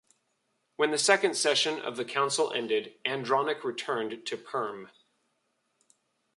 When the second session of the Council ended, Andronic returned to Perm.